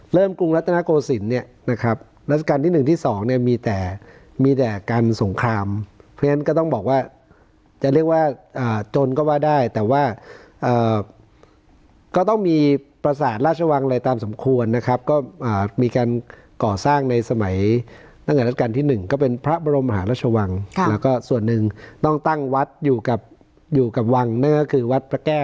กรุงรัฐนาโกศิลป์เนี่ยนะครับรัชกาลที่๑ที่๒เนี่ยมีแต่มีแต่การสงครามเพราะฉะนั้นก็ต้องบอกว่าจะเรียกว่าจนก็ว่าได้แต่ว่าก็ต้องมีประสาทราชวังอะไรตามสมควรนะครับก็มีการก่อสร้างในสมัยตั้งแต่รัชกาลที่๑ก็เป็นพระบรมหาราชวังแล้วก็ส่วนหนึ่งต้องตั้งวัดอยู่กับอยู่กับวังนั่นก็คือวัดพระแก้ว